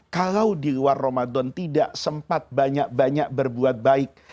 kalau di luar ramadan tidak sempat banyak banyak berbuat baik